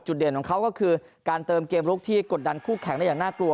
เด่นของเขาก็คือการเติมเกมลุกที่กดดันคู่แข่งได้อย่างน่ากลัว